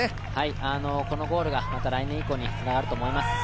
このゴールがまた来年以降につながると思います。